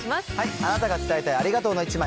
あなたが伝えたいありがとうの１枚。